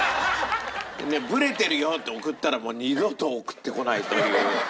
「ブレてるよ」って送ったらもう二度と送ってこないという。